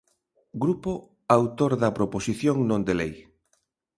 Grupo autor da proposición non de lei.